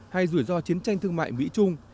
hay rủi ro chiến tranh thương mại mỹ trung